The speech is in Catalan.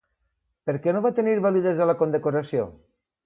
Per què no va tenir validesa la condecoració?